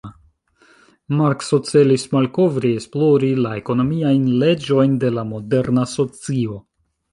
Markso celis malkovri, esplori la ekonomiajn leĝojn de la moderna socio.